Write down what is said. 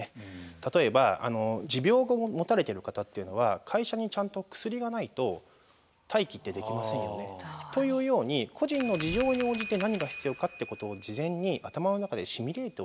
例えば持病を持たれてる方っていうのは会社にちゃんと薬がないと待機ってできませんよね。というように個人の事情に応じて何が必要かってことを事前に頭の中でシミュレートしておくと。